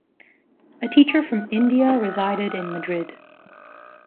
A teacher from India resided in Madrid